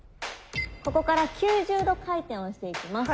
ここから９０度回転をしていきます。